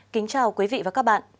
kính chào quý vị và các bạn